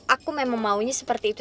aku memang maunya seperti itu